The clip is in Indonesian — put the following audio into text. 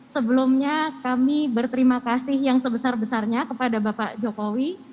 sebelumnya kami berterima kasih yang sebesar besarnya kepada bapak jokowi